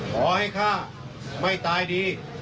ขอให้ฆ่าไม่ตายดี